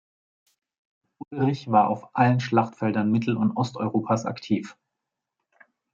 Ulrich war auf allen Schlachtfeldern Mittel- und Osteuropas aktiv.